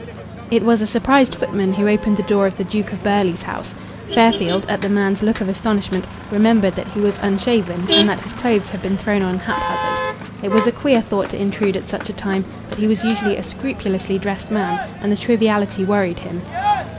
It was a surprised footman who opened the door of the Duke of Burghley's house. Fairfield, at the man's look of astonishment, remembered that he was unshaven, and that his clothes had been thrown on haphazard. It was a queer thought to intrude at such a time. But he was usually a scrupulously dressed man, and the triviality worried him.